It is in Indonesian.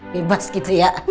bebas gitu ya